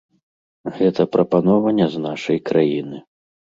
Гэта прапанова не з нашай краіны.